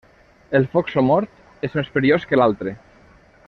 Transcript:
El foc somort és més perillós que l'altre.